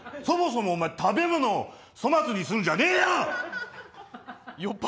そもそもお前食べ物を粗末にするんじゃねえよ！